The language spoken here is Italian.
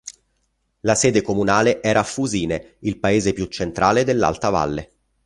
La sede comunale era a Fusine, il paese più centrale dell'alta valle.